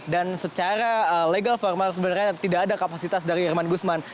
dan secara legal formal sebenarnya tidak ada kapasitas dari irman gusman